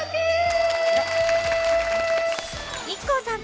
ＩＫＫＯさん